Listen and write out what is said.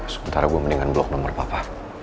sementara gue mendingan blok nomor papa